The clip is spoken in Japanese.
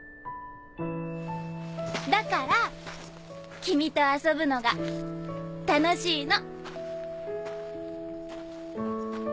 だから君と遊ぶのが楽しいの！